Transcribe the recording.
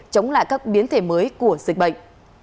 chống lại các biến thể mới của dịch bệnh